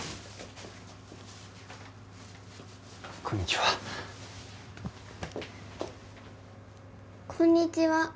こんにちは。